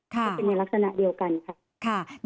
ก็เป็นในลักษณะเดียวกันค่ะ